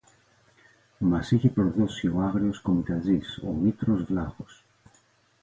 Μας είχε προδώσει ο άγριος κομιτατζής, ο Μήτρος Βλάχος